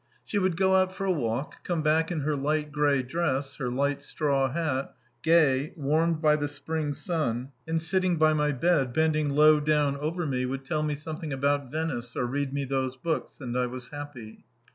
She would go out for a walk, come back in her light grey dress, her light straw hat, gay, warmed by the spring sun; and sitting by my bed, bending low down over me, would tell me something about Venice or read me those books and I was happy.